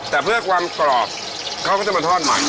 แต่เพื่อความกรอบเขาก็จะมาทอดมัน